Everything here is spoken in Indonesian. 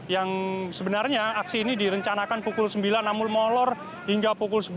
yang sebenarnya aksi ini direncanakan pukul sembilan namun molor hingga pukul sebelas